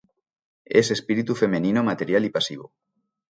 Es espíritu femenino, material y pasivo.